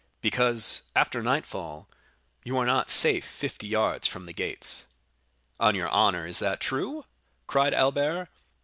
"Because, after nightfall, you are not safe fifty yards from the gates." "On your honor, is that true?" cried Albert.